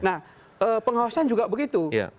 nah pengawasan juga begitu